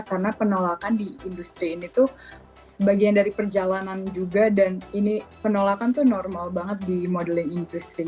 karena penolakan di industri ini tuh sebagian dari perjalanan juga dan ini penolakan tuh normal banget di modeling industry